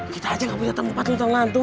kita aja ga punya tempat lu sama antum